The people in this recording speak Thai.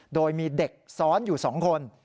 โดยมีเด็กซ้อนอยู่๒คน